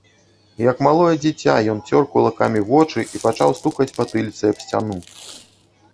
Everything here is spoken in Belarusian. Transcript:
Як малое дзіця, ён цёр кулакамі вочы і пачаў стукаць патыліцай аб сцяну.